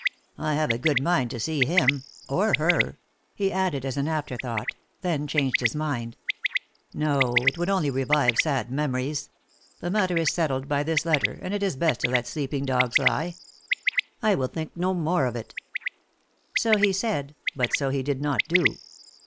I have a good mind to see him or her," he added as an after thought; then changed his mind. "No, it would only revive sad memories. The matter is settled by this letter, and it is best to let sleeping dogs lie. I will think no more of it." So he said, but so he did not do.